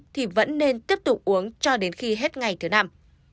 thì vẫn nên tiếp tục uống cho đến khi hết ngày thứ năm